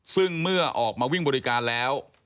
ซึ่งเมื่อออกมาวิ่งบริการแล้ว